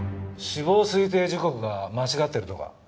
死亡推定時刻が間違ってるとか。